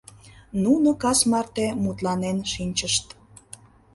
Нуно кас марте мутланен шинчышт.